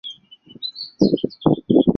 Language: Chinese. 没有人知道自己